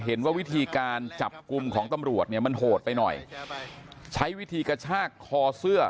เห็นว่าวิธีการจับกลุ่มของตำรวจเนี่ยมันโหดไปหน่อยใช้วิธีกระชากคอเสื้อ